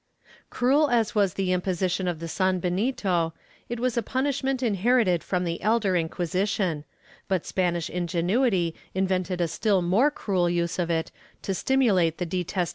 ^ Cruel as was the imposition of the sanbenito, it was a punish ment inherited from the elder Inquisition, but Spanish ingenuity invented a still more cruel use of it to stimulate the detestation of » Bibl.